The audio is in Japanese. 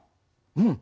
うん。